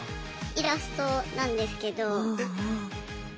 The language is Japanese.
イラストなんですけど。